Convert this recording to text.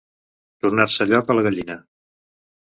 Tornar-se lloca la gallina.